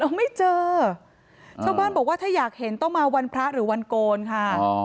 ไม่เจอชาวบ้านบอกว่าถ้าอยากเห็นต้องมาวันพระหรือวันโกนค่ะ